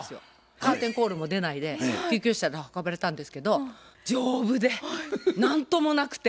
カーテンコールも出ないで救急車で運ばれたんですけど丈夫で何ともなくて。